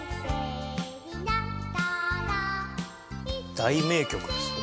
大名曲ですよね。